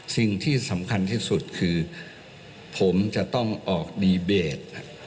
สิ่งที่สำคัญที่สุดคือผมจะต้องออกดีเบต